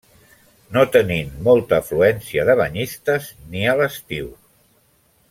No tenint molta afluència de banyistes, ni a l'estiu.